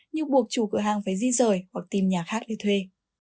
như buộc chủ cửa hàng phải di rời hoặc tìm nhà khác để thuê